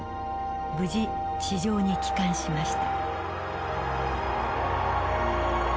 無事地上に帰還しました。